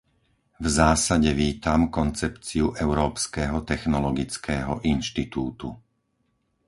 V zásade vítam koncepciu Európskeho technologického inštitútu.